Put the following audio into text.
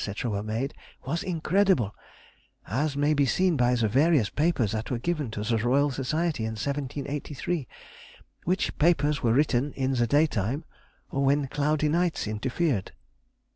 were made, was incredible, as may be seen by the various papers that were given to the Royal Society in 1783, which papers were written in the daytime, or when cloudy nights interfered.